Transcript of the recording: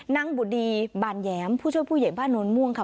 บุดีบานแย้มผู้ช่วยผู้ใหญ่บ้านโน้นม่วงค่ะ